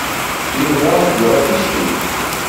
Yuba ad d-yuɣal ticki.